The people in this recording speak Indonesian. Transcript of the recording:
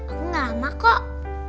aku gak lama kok